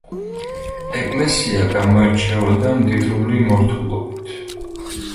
ეკლესია გამოირჩეოდა მდიდრული მორთულობით.